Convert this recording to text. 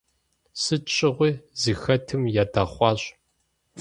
Сыт щыгъуи зыхэтым ядэхъуащ.